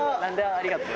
ありがとう。